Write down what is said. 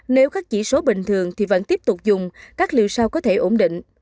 nếu các chỉ số bình thường thì vẫn tiếp tục dùng các liều sau có thể ổn định